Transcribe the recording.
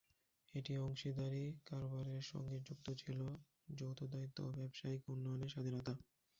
এই অংশীদারি কারবারের সঙ্গে যুক্ত ছিল যৌথ দায়িত্ব ও ব্যবসায়িক উন্নয়নে স্বাধীনতা।